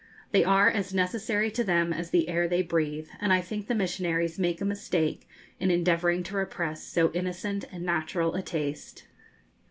They are as necessary to them as the air they breathe, and I think the missionaries make a mistake in endeavouring to repress so innocent and natural a taste.